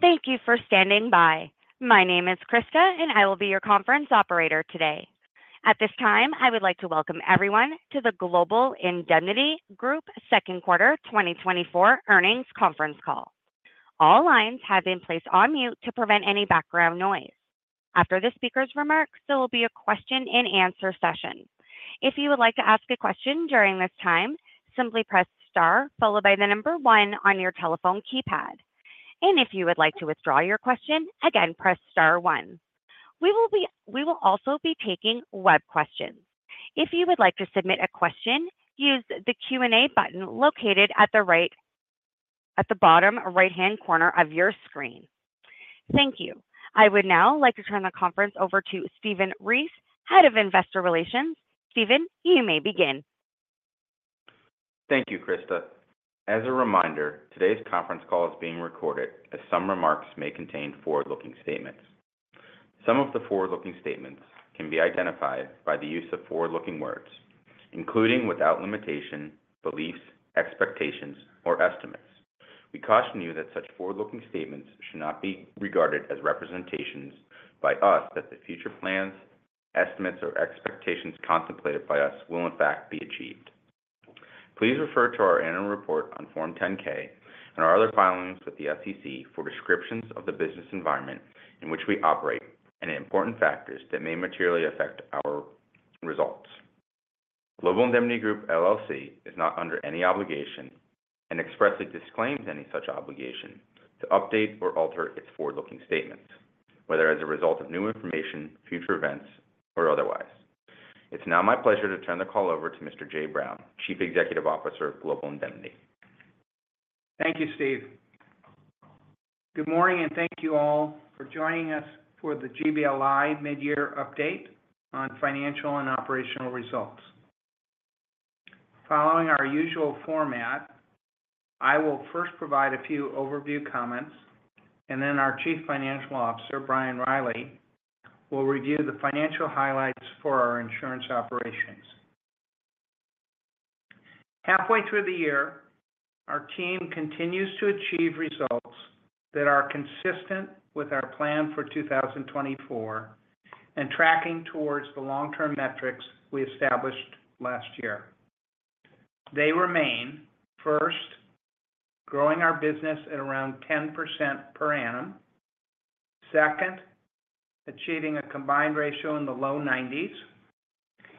Thank you for standing by. My name is Krista, and I will be your conference operator today. At this time, I would like to welcome everyone to the Global Indemnity Group second quarter 2024 earnings conference call. All lines have been placed on mute to prevent any background noise. After the speaker's remarks, there will be a question and answer session. If you would like to ask a question during this time, simply press star followed by the number 1 on your telephone keypad. If you would like to withdraw your question, again, press star 1. We will also be taking web questions. If you would like to submit a question, use the Q&A button located at the right... at the bottom right-hand corner of your screen. Thank you. I would now like to turn the conference over to Stephen Ries, Head of Investor Relations. Stephen, you may begin. Thank you, Krista. As a reminder, today's conference call is being recorded, as some remarks may contain forward-looking statements. Some of the forward-looking statements can be identified by the use of forward-looking words, including, without limitation, beliefs, expectations, or estimates. We caution you that such forward-looking statements should not be regarded as representations by us that the future plans, estimates, or expectations contemplated by us will in fact be achieved. Please refer to our annual report on Form 10-K and our other filings with the SEC for descriptions of the business environment in which we operate and the important factors that may materially affect our results. Global Indemnity Group, LLC, is not under any obligation and expressly disclaims any such obligation to update or alter its forward-looking statements, whether as a result of new information, future events, or otherwise. It's now my pleasure to turn the call over to Mr. Jay Brown, Chief Executive Officer of Global Indemnity. Thank you, Steve. Good morning, and thank you all for joining us for the GBLI mid-year update on financial and operational results. Following our usual format, I will first provide a few overview comments, and then our Chief Financial Officer, Brian Riley, will review the financial highlights for our insurance operations. Halfway through the year, our team continues to achieve results that are consistent with our plan for 2024 and tracking towards the long-term metrics we established last year. They remain, first, growing our business at around 10% per annum. Second, achieving a combined ratio in the low 90s.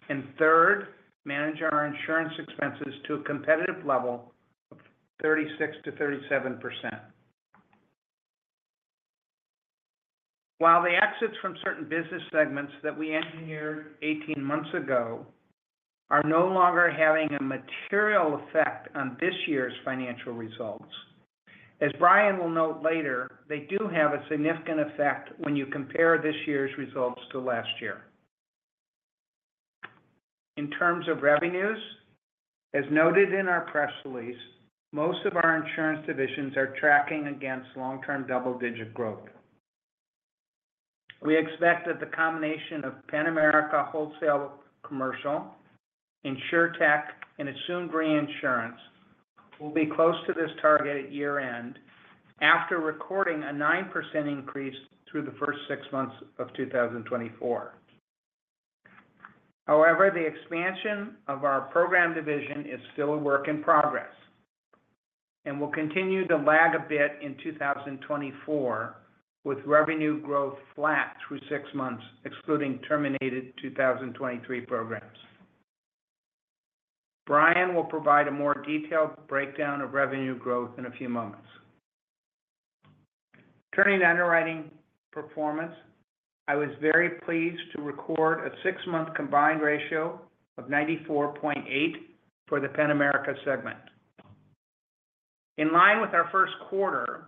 And third, manage our insurance expenses to a competitive level of 36%-37%. While the exits from certain business segments that we engineered 18 months ago are no longer having a material effect on this year's financial results, as Brian will note later, they do have a significant effect when you compare this year's results to last year. In terms of revenues, as noted in our press release, most of our insurance divisions are tracking against long-term double-digit growth. We expect that the combination of Penn-America Wholesale Commercial, InsurTech, and Assumed Reinsurance will be close to this target at year-end, after recording a 9% increase through the first 6 months of 2024. However, the expansion of our program division is still a work in progress and will continue to lag a bit in 2024, with revenue growth flat through 6 months, excluding terminated 2023 programs. Brian will provide a more detailed breakdown of revenue growth in a few moments. Turning to underwriting performance, I was very pleased to record a six-month combined ratio of 94.8 for the Penn-America segment. In line with our first quarter,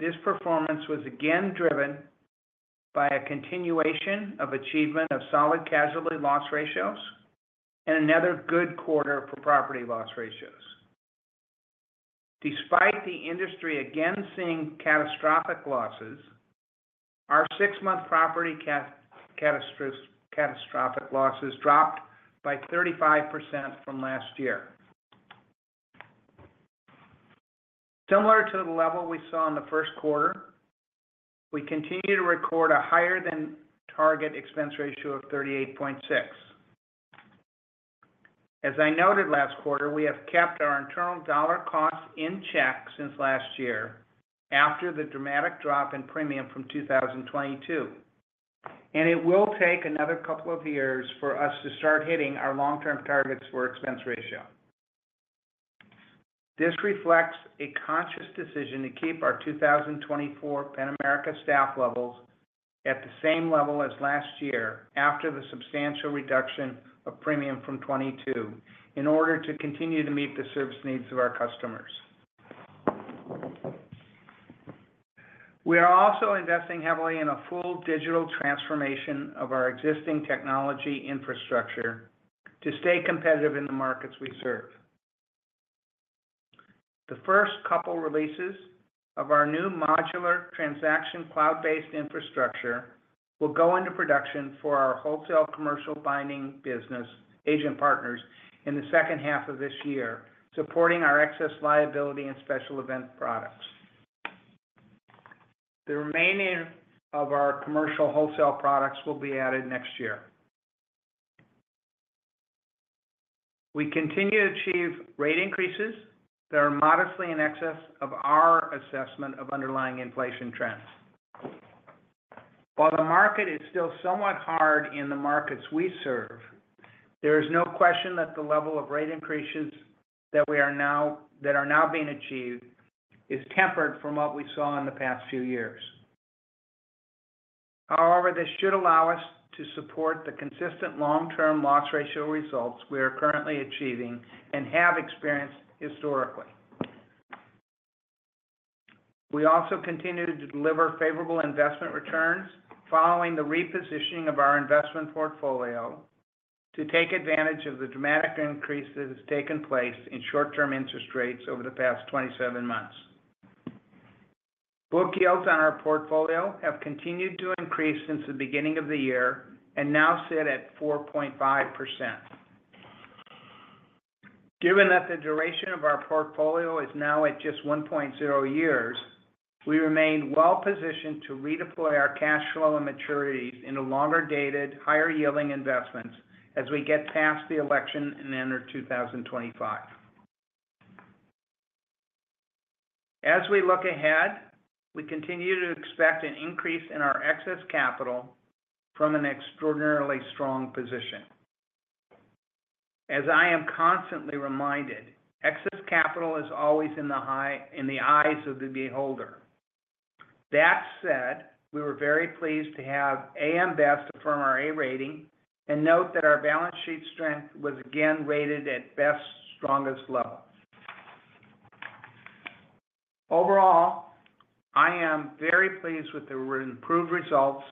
this performance was again driven by a continuation of achievement of solid casualty loss ratios and another good quarter for property loss ratios. Despite the industry again seeing catastrophic losses, our six-month property catastrophic losses dropped by 35% from last year. Similar to the level we saw in the first quarter, we continue to record a higher-than-target expense ratio of 38.6. As I noted last quarter, we have kept our internal dollar costs in check since last year after the dramatic drop in premium from 2022, and it will take another couple of years for us to start hitting our long-term targets for expense ratio. This reflects a conscious decision to keep our 2024 Penn-America staff levels at the same level as last year after the substantial reduction of premium from 2022 in order to continue to meet the service needs of our customers. We are also investing heavily in a full digital transformation of our existing technology infrastructure to stay competitive in the markets we serve. The first couple releases of our new modular transaction cloud-based infrastructure-... will go into production for our Wholesale Commercial binding business agent partners in the second half of this year, supporting our excess liability and special event products. The remaining of our commercial Wholesale Commercial products will be added next year. We continue to achieve rate increases that are modestly in excess of our assessment of underlying inflation trends. While the market is still somewhat hard in the markets we serve, there is no question that the level of rate increases that are now being achieved is tempered from what we saw in the past few years. However, this should allow us to support the consistent long-term loss ratio results we are currently achieving and have experienced historically. We also continue to deliver favorable investment returns following the repositioning of our investment portfolio, to take advantage of the dramatic increases taken place in short-term interest rates over the past 27 months. Book yields on our portfolio have continued to increase since the beginning of the year and now sit at 4.5%. Given that the duration of our portfolio is now at just 1.0 years, we remain well-positioned to redeploy our cash flow and maturities into longer-dated, higher-yielding investments as we get past the election and enter 2025. As we look ahead, we continue to expect an increase in our excess capital from an extraordinarily strong position. As I am constantly reminded, excess capital is always in the eye of the beholder. That said, we were very pleased to have AM Best affirm our A rating, and note that our balance sheet strength was again rated at Best's strongest level. Overall, I am very pleased with the improved results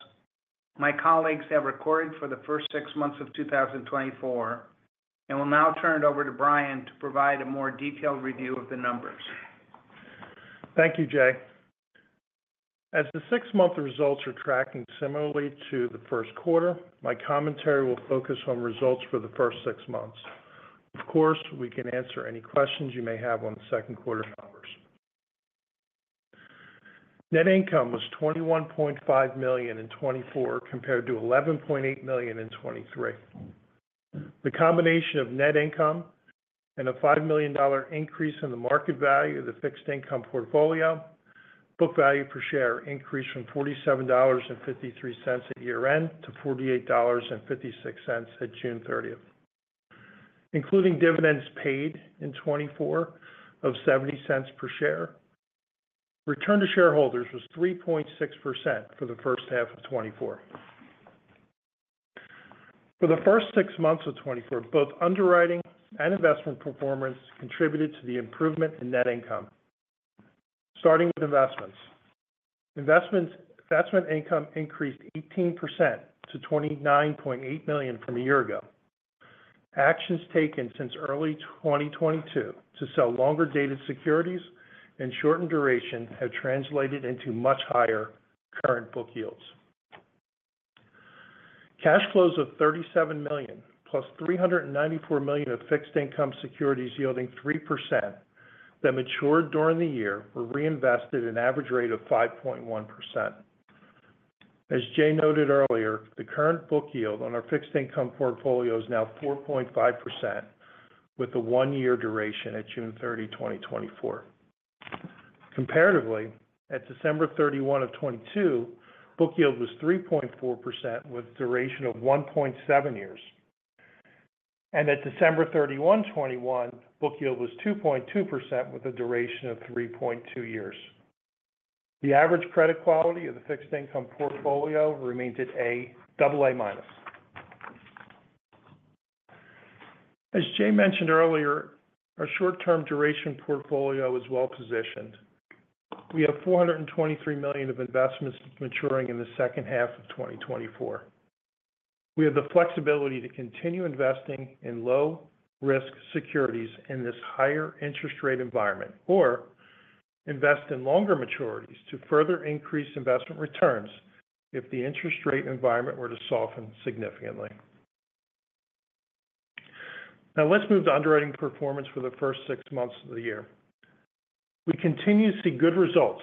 my colleagues have recorded for the first six months of 2024, and will now turn it over to Brian to provide a more detailed review of the numbers. Thank you, Jay. As the 6-month results are tracking similarly to the first quarter, my commentary will focus on results for the first 6 months. Of course, we can answer any questions you may have on the second quarter numbers. Net income was $21.5 million in 2024, compared to $11.8 million in 2023. The combination of net income and a $5 million increase in the market value of the fixed income portfolio, book value per share increased from $47.53 at year-end to $48.56 at June 30. Including dividends paid in 2024 of $0.70 per share, return to shareholders was 3.6% for the first half of 2024. For the first 6 months of 2024, both underwriting and investment performance contributed to the improvement in net income. Starting with investments. Investments - investment income increased 18% to $29.8 million from a year ago. Actions taken since early 2022 to sell longer-dated securities and shorten duration have translated into much higher current book yields. Cash flows of $37 million, plus $394 million of fixed income securities yielding 3% that matured during the year, were reinvested in average rate of 5.1%. As Jay noted earlier, the current book yield on our fixed income portfolio is now 4.5%, with a 1-year duration at June 30, 2024. Comparatively, at December 31, 2022, book yield was 3.4%, with duration of 1.7 years. At December 31, 2021, book yield was 2.2%, with a duration of 3.2 years. The average credit quality of the fixed income portfolio remains at A, double A minus. As Jay mentioned earlier, our short-term duration portfolio is well-positioned. We have $423 million of investments maturing in the second half of 2024. We have the flexibility to continue investing in low-risk securities in this higher interest rate environment, or invest in longer maturities to further increase investment returns if the interest rate environment were to soften significantly. Now, let's move to underwriting performance for the first six months of the year. We continue to see good results,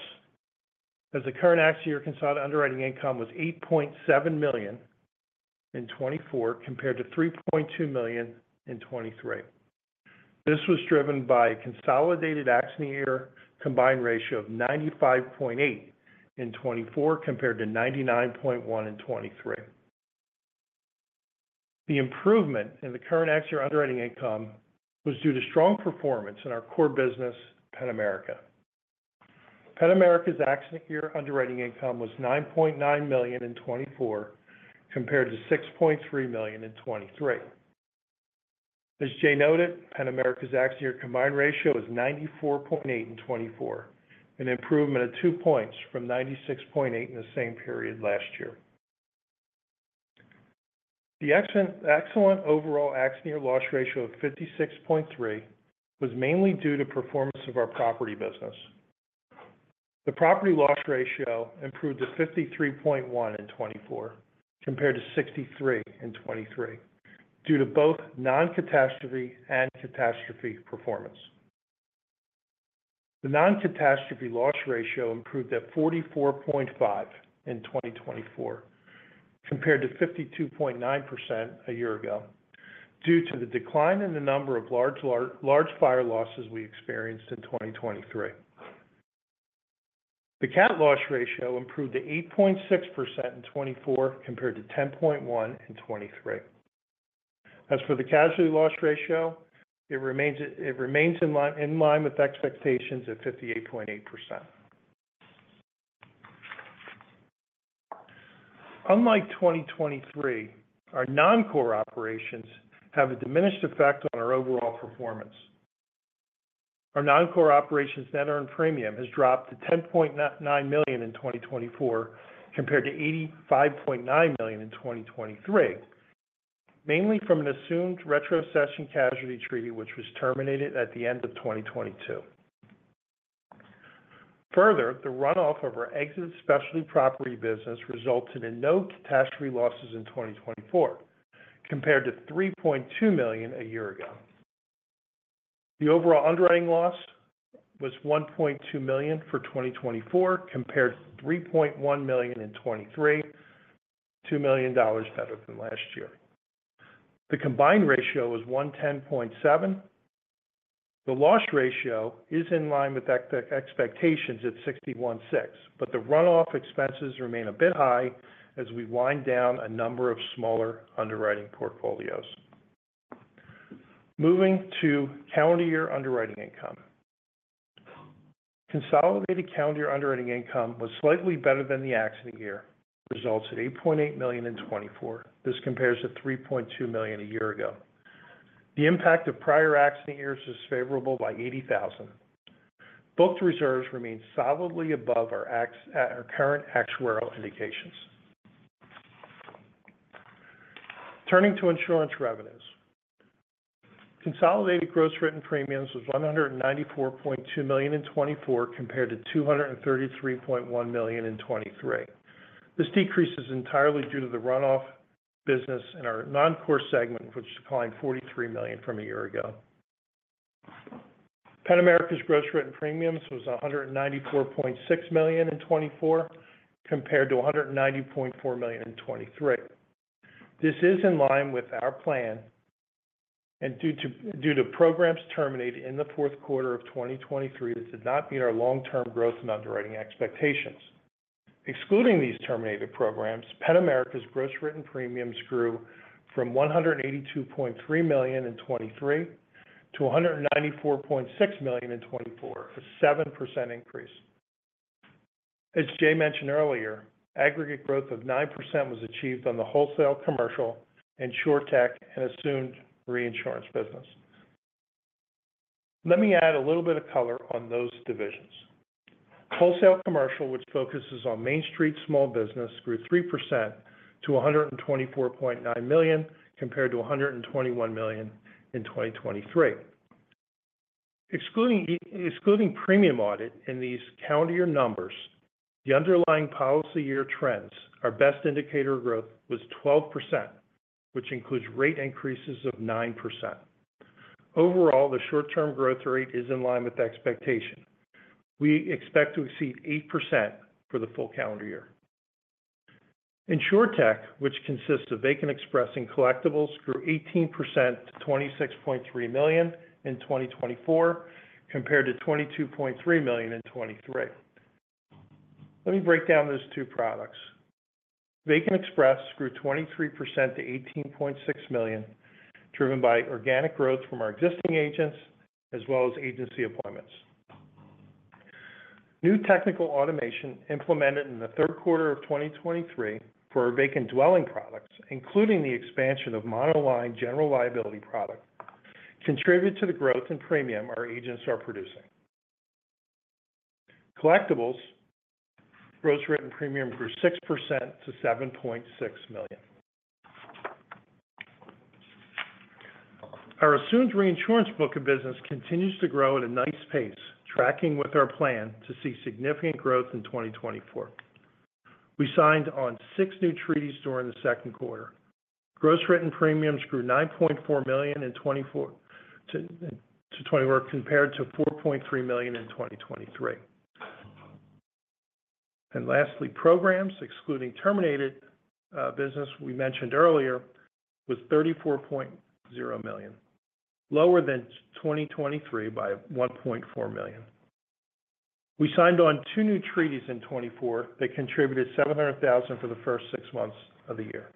as the current accident year consolidated underwriting income was $8.7 million in 2024, compared to $3.2 million in 2023. This was driven by a consolidated accident year combined ratio of 95.8% in 2024, compared to 99.1% in 2023. The improvement in the current accident year underwriting income was due to strong performance in our core business, Penn-America. Penn-America's accident year underwriting income was $9.9 million in 2024, compared to $6.3 million in 2023. As Jay noted, Penn-America's accident year combined ratio is 94.8% in 2024, an improvement of 2 points from 96.8% in the same period last year. The excellent, excellent overall accident year loss ratio of 56.3% was mainly due to performance of our property business. The property loss ratio improved to 53.1% in 2024, compared to 63% in 2023, due to both non-catastrophe and catastrophe performance. The non-catastrophe loss ratio improved at 44.5 in 2024, compared to 52.9% a year ago, due to the decline in the number of large fire losses we experienced in 2023. The cat loss ratio improved to 8.6% in 2024, compared to 10.1% in 2023. As for the casualty loss ratio, it remains, it remains in line, in line with expectations at 58.8%. Unlike 2023, our non-core operations have a diminished effect on our overall performance. Our non-core operations net our own premium has dropped to $10.9 million in 2024, compared to $85.9 million in 2023, mainly from an assumed retrocession casualty treaty, which was terminated at the end of 2022. Further, the runoff of our exit specialty property business resulted in no catastrophe losses in 2024, compared to $3.2 million a year ago. The overall underwriting loss was $1.2 million for 2024, compared to $3.1 million in 2023, $2 million better than last year. The combined ratio was 110.7%. The loss ratio is in line with expectations at 61.6%, but the runoff expenses remain a bit high as we wind down a number of smaller underwriting portfolios. Moving to calendar year underwriting income. Consolidated calendar underwriting income was slightly better than the accident year results at $8.8 million in 2024. This compares to $3.2 million a year ago. The impact of prior accident years is favorable by $80,000. Booked reserves remain solidly above our current actuarial indications. Turning to insurance revenues. Consolidated gross written premiums was $194.2 million in 2024, compared to $233.1 million in 2023. This decrease is entirely due to the runoff business in our non-core segment, which declined $43 million from a year ago. Penn-America's gross written premiums was $194.6 million in 2024, compared to $190.4 million in 2023. This is in line with our plan, and due to programs terminated in the fourth quarter of 2023, this did not meet our long-term growth and underwriting expectations. Excluding these terminated programs, Penn-America's gross written premiums grew from $182.3 million in 2023 to $194.6 million in 2024, a 7% increase. As Jay mentioned earlier, aggregate growth of 9% was achieved on the Wholesale Commercial, and InsurTech, and assumed reinsurance business. Let me add a little bit of color on those divisions. Wholesale Commercial, which focuses on Main Street small business, grew 3% to $124.9 million, compared to $121 million in 2023. Excluding premium audit in these calendar year numbers, the underlying policy year trends, our best indicator of growth, was 12%, which includes rate increases of 9%. Overall, the short-term growth rate is in line with expectation. We expect to exceed 8% for the full calendar year. In InsurTech, which consists of Vacant Express and Collectibles, grew 18% to $26.3 million in 2024, compared to $22.3 million in 2023. Let me break down those two products. Vacant Express grew 23% to $18.6 million, driven by organic growth from our existing agents, as well as agency appointments. New technical automation implemented in the third quarter of 2023 for our vacant dwelling products, including the expansion of monoline general liability product, contributed to the growth and premium our agents are producing. Collectibles gross written premium grew 6% to $7.6 million. Our assumed reinsurance book of business continues to grow at a nice pace, tracking with our plan to see significant growth in 2024. We signed on six new treaties during the second quarter. Gross written premiums grew $9.4 million in 2024, compared to $4.3 million in 2023. And lastly, programs, excluding terminated business we mentioned earlier, was $34.0 million, lower than 2023 by $1.4 million. We signed on two new treaties in 2024 that contributed $700,000 for the first six months of the year.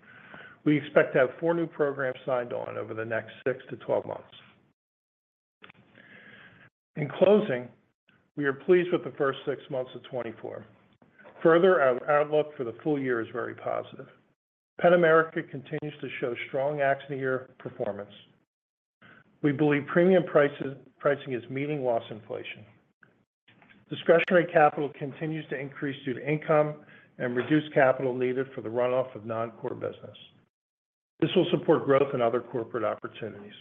We expect to have four new programs signed on over the next six to 12 months. In closing, we are pleased with the first six months of 2024. Further, our outlook for the full year is very positive. Penn-America continues to show strong accident year performance. We believe premium prices-- pricing is meeting loss inflation.... Discretionary capital continues to increase due to income and reduced capital needed for the runoff of non-core business. This will support growth in other corporate opportunities.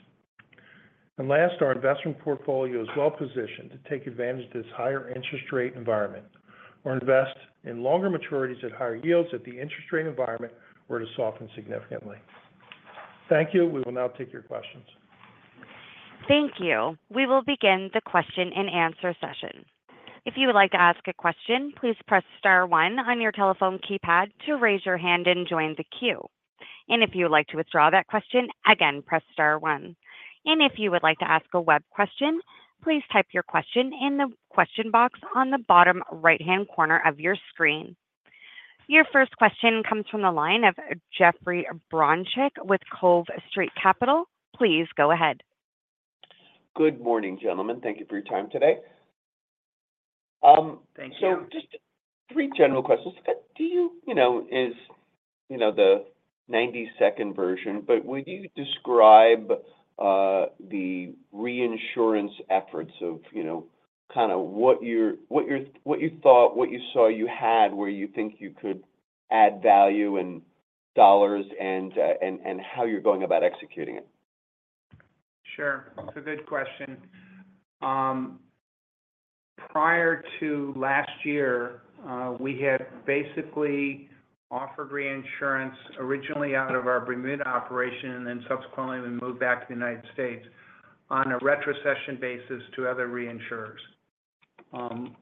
And last, our investment portfolio is well positioned to take advantage of this higher interest rate environment, or invest in longer maturities at higher yields if the interest rate environment were to soften significantly. Thank you. We will now take your questions. Thank you. We will begin the question and answer session. If you would like to ask a question, please press star one on your telephone keypad to raise your hand and join the queue. If you would like to withdraw that question, again, press star one. If you would like to ask a web question, please type your question in the question box on the bottom right-hand corner of your screen. Your first question comes from the line of Jeffrey Bronchick with Cove Street Capital. Please go ahead. Good morning, gentlemen. Thank you for your time today. Thank you. So just three general questions. Do you, you know, is, you know, the 90-second version, but would you describe the reinsurance efforts of, you know, kind of what your, what your, what you thought, what you saw you had, where you think you could add value and dollars, and, and, and how you're going about executing it? Sure. It's a good question. Prior to last year, we had basically offered reinsurance originally out of our Bermuda operation, and then subsequently we moved back to the United States on a retrocession basis to other reinsurers.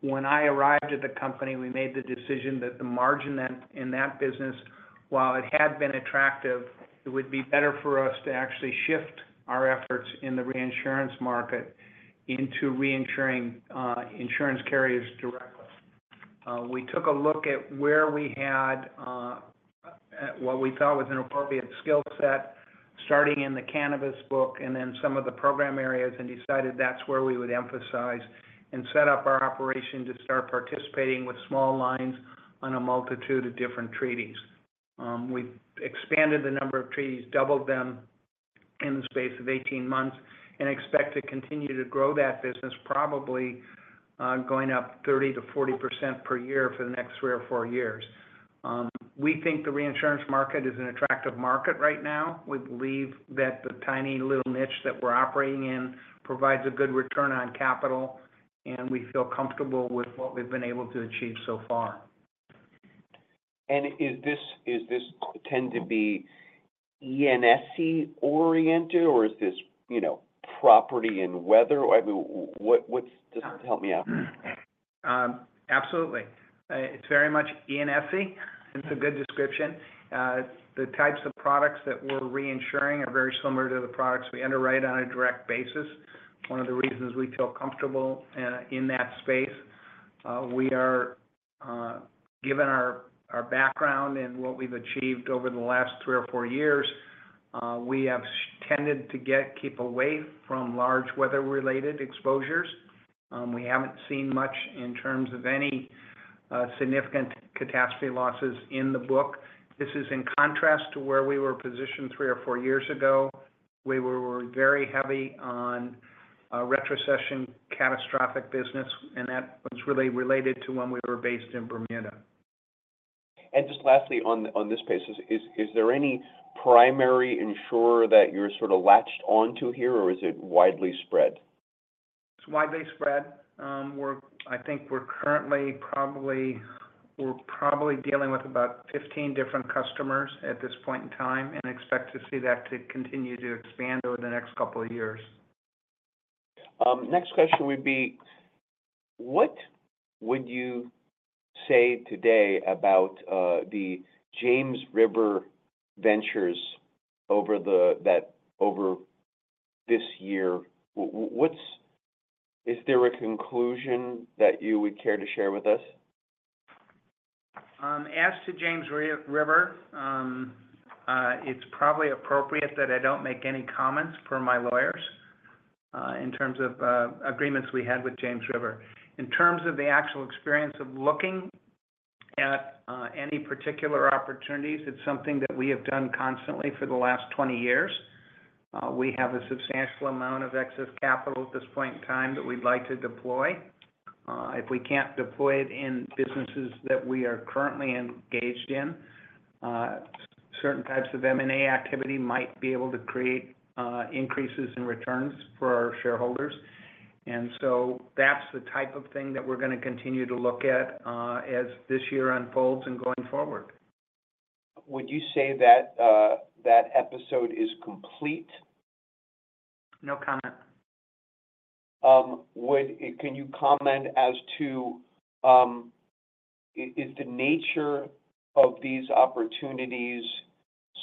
When I arrived at the company, we made the decision that the margin in, in that business, while it had been attractive, it would be better for us to actually shift our efforts in the reinsurance market into reinsuring insurance carriers directly. We took a look at where we had, at what we thought was an appropriate skill set, starting in the cannabis book and then some of the program areas, and decided that's where we would emphasize and set up our operation to start participating with small lines on a multitude of different treaties. We expanded the number of treaties, doubled them in the space of 18 months, and expect to continue to grow that business, probably, going up 30%-40% per year for the next 3 or 4 years. We think the reinsurance market is an attractive market right now. We believe that the tiny little niche that we're operating in provides a good return on capital, and we feel comfortable with what we've been able to achieve so far. And is this, is this tend to be E&S-oriented, or is this, you know, property and weather? I mean, what, what's – just help me out. Absolutely. It's very much E&S. It's a good description. The types of products that we're reinsuring are very similar to the products we underwrite on a direct basis. One of the reasons we feel comfortable in that space, given our background and what we've achieved over the last three or four years, we have tended to keep away from large weather-related exposures. We haven't seen much in terms of any significant catastrophe losses in the book. This is in contrast to where we were positioned three or four years ago. We were very heavy on retrocession catastrophic business, and that was really related to when we were based in Bermuda. Just lastly, on this piece, is there any primary insurer that you're sort of latched onto here, or is it widely spread? It's widely spread. I think we're currently probably dealing with about 15 different customers at this point in time, and expect to see that to continue to expand over the next couple of years. Next question would be: What would you say today about the James River ventures over this year? Is there a conclusion that you would care to share with us? As to James River, it's probably appropriate that I don't make any comments per my lawyers, in terms of, agreements we had with James River. In terms of the actual experience of looking at, any particular opportunities, it's something that we have done constantly for the last 20 years. We have a substantial amount of excess capital at this point in time that we'd like to deploy. If we can't deploy it in businesses that we are currently engaged in, certain types of M&A activity might be able to create, increases in returns for our shareholders. And so that's the type of thing that we're going to continue to look at, as this year unfolds and going forward. Would you say that, that episode is complete? No comment. Can you comment as to is the nature of these opportunities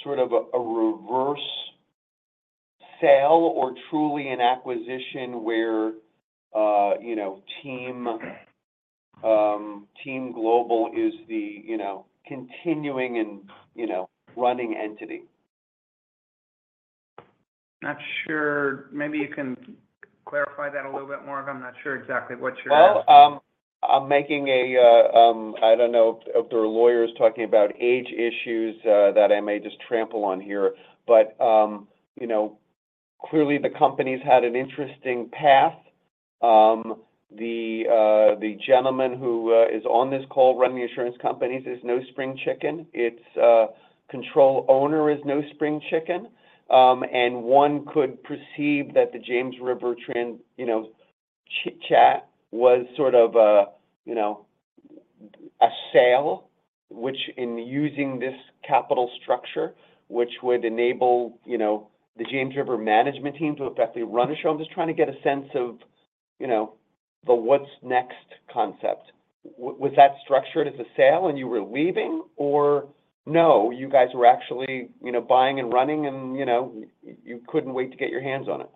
sort of a reverse sale or truly an acquisition where, you know, team global is the, you know, continuing and, you know, running entity? Not sure. Maybe you can clarify that a little bit more. I'm not sure exactly what you're asking. Well, I'm making a, I don't know if there are lawyers talking about age issues that I may just trample on here, but, you know. Clearly, the company's had an interesting path. The gentleman who is on this call running the insurance companies is no spring chicken. Its control owner is no spring chicken. And one could perceive that the James River transaction, you know, chat was sort of a, you know, a sale, which in using this capital structure, which would enable, you know, the James River management team to effectively run the show. I'm just trying to get a sense of, you know, the what's next concept. Was that structured as a sale and you were leaving? Or no, you guys were actually, you know, buying and running and, you know, you couldn't wait to get your hands on it?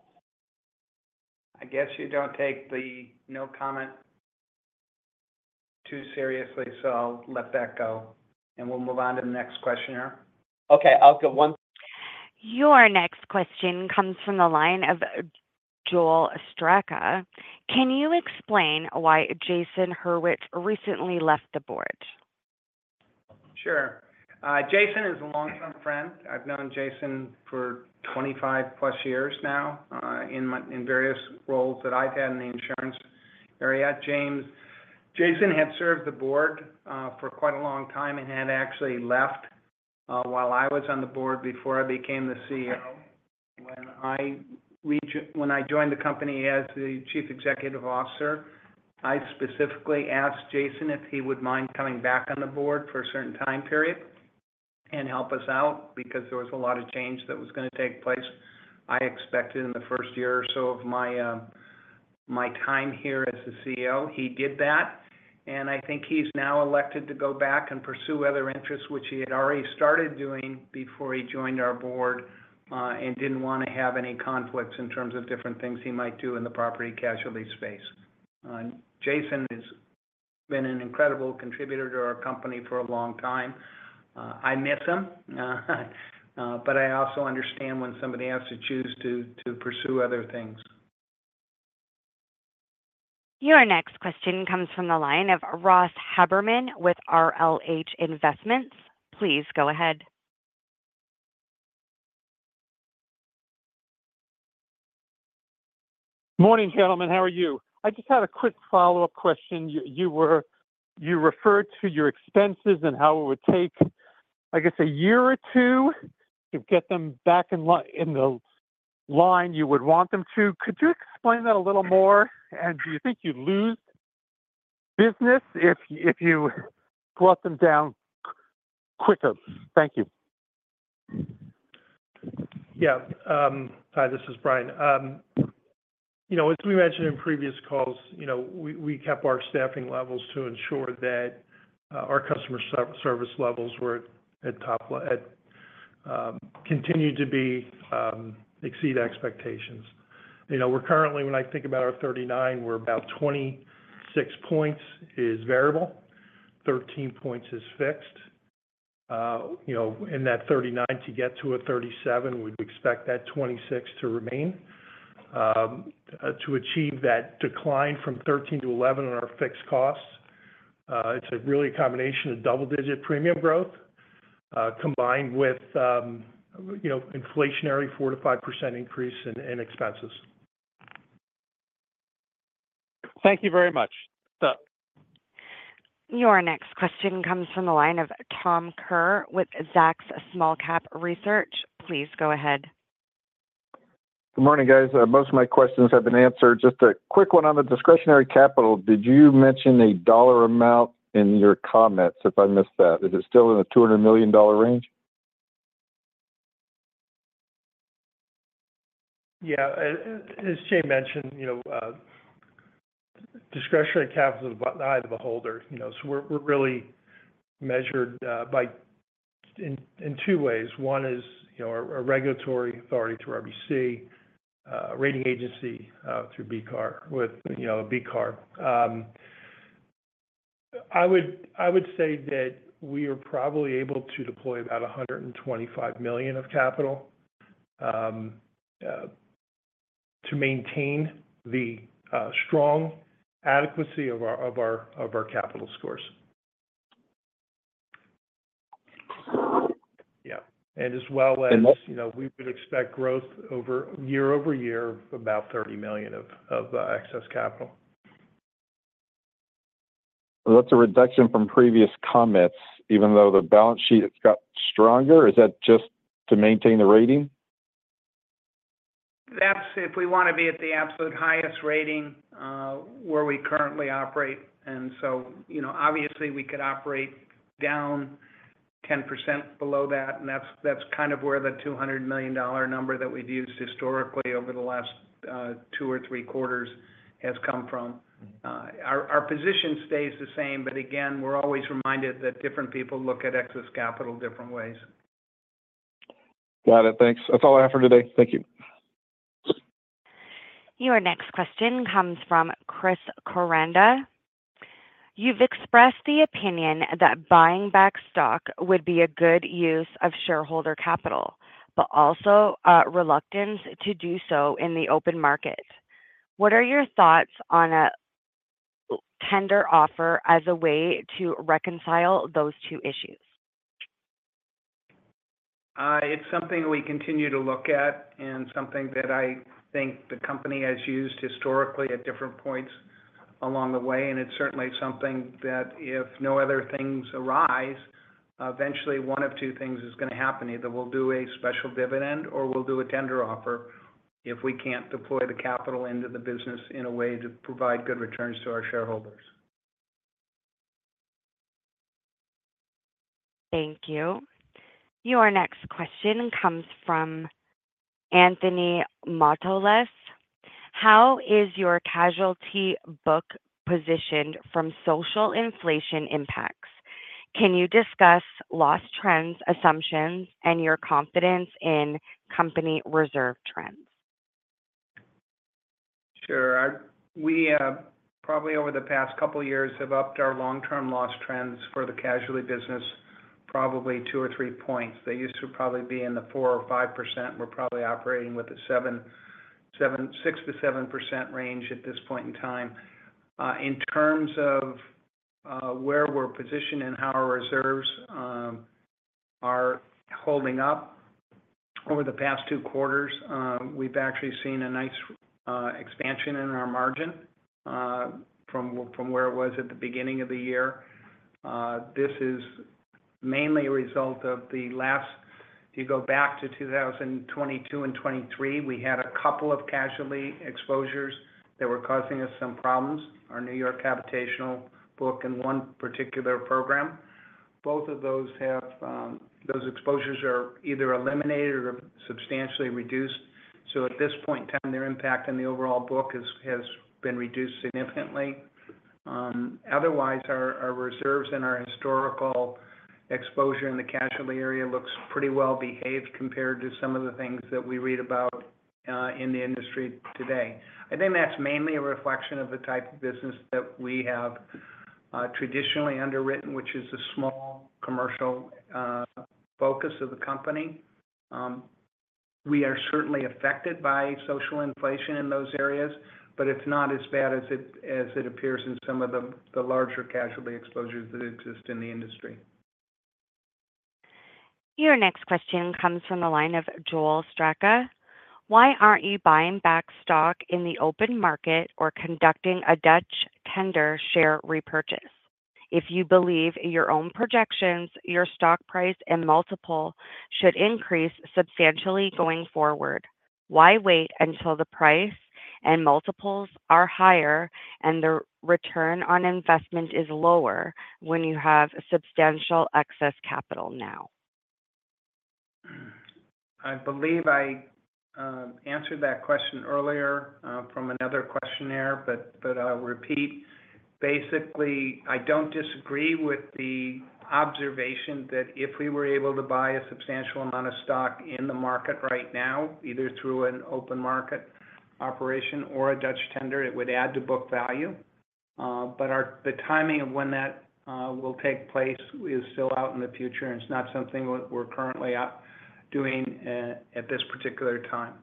I guess you don't take the no comment too seriously, so I'll let that go, and we'll move on to the next questioner. Okay, I'll go one- Your next question comes from the line of Joel Straka. Can you explain why Jason Hurwitz recently left the board? Sure. Jason is a long-term friend. I've known Jason for 25+ years now, in various roles that I've had in the insurance area at James. Jason had served the board, for quite a long time and had actually left, while I was on the board before I became the CEO. When I joined the company as the Chief Executive Officer, I specifically asked Jason if he would mind coming back on the board for a certain time period and help us out, because there was a lot of change that was gonna take place, I expected, in the first year or so of my, my time here as the CEO. He did that, and I think he's now elected to go back and pursue other interests, which he had already started doing before he joined our board, and didn't want to have any conflicts in terms of different things he might do in the property casualty space. Jason has been an incredible contributor to our company for a long time. I miss him, but I also understand when somebody has to choose to pursue other things. Your next question comes from the line of Ross Haberman with RLH Investments. Please go ahead. Morning, gentlemen. How are you? I just had a quick follow-up question. You referred to your expenses and how it would take, I guess, a year or two to get them back in the line you would want them to. Could you explain that a little more? And do you think you'd lose business if you brought them down quicker? Thank you. Yeah. Hi, this is Brian. You know, as we mentioned in previous calls, you know, we kept our staffing levels to ensure that our customer service levels were at top level continued to exceed expectations. You know, we're currently, when I think about our 39, we're about 26 points is variable, 13 points is fixed. You know, in that 39, to get to a 37, we'd expect that 26 to remain. To achieve that decline from 13 to 11 on our fixed costs, it's really a combination of double-digit premium growth, combined with, you know, inflationary 4%-5% increase in expenses. Thank you very much. So- Your next question comes from the line of Tom Kerr with Zacks Small Cap Research. Please go ahead. Good morning, guys. Most of my questions have been answered. Just a quick one on the discretionary capital, did you mention a dollar amount in your comments if I missed that? Is it still in the $200 million range? Yeah. As Jay mentioned, you know, discretionary capital is in the eye of the beholder, you know, so we're really measured by, in two ways. One is, you know, a regulatory authority through RBC, rating agency through BCAR, with, you know, BCAR. I would say that we are probably able to deploy about $125 million of capital to maintain the strong adequacy of our capital scores. Yeah. And- As well as, you know, we would expect growth year-over-year, about $30 million of excess capital. Well, that's a reduction from previous comments, even though the balance sheet has got stronger. Is that just to maintain the rating? That's if we want to be at the absolute highest rating, where we currently operate. And so, you know, obviously, we could operate down 10% below that, and that's, that's kind of where the $200 million number that we've used historically over the last, two or three quarters has come from. Our, our position stays the same, but again, we're always reminded that different people look at excess capital different ways. Got it. Thanks. That's all I have for today. Thank you. Your next question comes from Chris Koranda. You've expressed the opinion that buying back stock would be a good use of shareholder capital, but also, reluctance to do so in the open market. What are your thoughts on a tender offer as a way to reconcile those two issues?... It's something we continue to look at and something that I think the company has used historically at different points along the way, and it's certainly something that if no other things arise, eventually one of two things is gonna happen: either we'll do a special dividend, or we'll do a tender offer if we can't deploy the capital into the business in a way to provide good returns to our shareholders. Thank you. Your next question comes from Anthony Matolas: How is your casualty book positioned from social inflation impacts? Can you discuss loss trends, assumptions, and your confidence in company reserve trends? Sure. We probably over the past couple of years have upped our long-term loss trends for the casualty business, probably 2 or 3 points. They used to probably be in the 4% or 5%. We're probably operating with a 6%-7% range at this point in time. In terms of where we're positioned and how our reserves are holding up, over the past two quarters, we've actually seen a nice expansion in our margin from where it was at the beginning of the year. This is mainly a result of the last. If you go back to 2022 and 2023, we had a couple of casualty exposures that were causing us some problems, our New York habitational book in one particular program. Both of those have those exposures are either eliminated or substantially reduced. So at this point in time, their impact on the overall book has been reduced significantly. Otherwise, our reserves and our historical exposure in the casualty area looks pretty well behaved compared to some of the things that we read about in the industry today. I think that's mainly a reflection of the type of business that we have traditionally underwritten, which is a small commercial focus of the company. We are certainly affected by social inflation in those areas, but it's not as bad as it appears in some of the larger casualty exposures that exist in the industry. Your next question comes from the line of Joel Straka: Why aren't you buying back stock in the open market or conducting a Dutch tender share repurchase? If you believe in your own projections, your stock price and multiple should increase substantially going forward. Why wait until the price and multiples are higher and the return on investment is lower when you have substantial excess capital now? I believe I answered that question earlier from another question there, but I'll repeat. Basically, I don't disagree with the observation that if we were able to buy a substantial amount of stock in the market right now, either through an open market operation or a Dutch tender, it would add to book value. But the timing of when that will take place is still out in the future, and it's not something we're currently out doing at this particular time.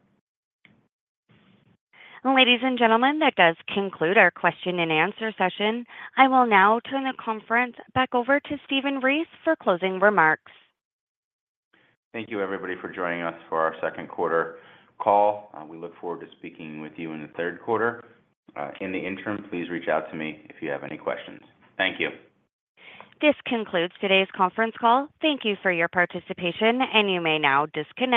Ladies and gentlemen, that does conclude our question-and-answer session. I will now turn the conference back over to Stephen Ries for closing remarks. Thank you, everybody, for joining us for our second quarter call. We look forward to speaking with you in the third quarter. In the interim, please reach out to me if you have any questions. Thank you. This concludes today's conference call. Thank you for your participation, and you may now disconnect.